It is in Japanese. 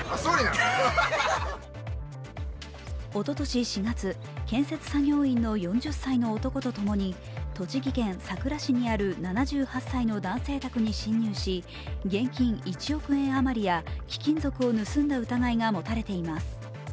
おととし４月、建設作業員の４０歳の男とともに栃木県さくら市にある７８歳の男性宅に侵入し現金１億円余りや、貴金属を盗んだ疑いが持たれています。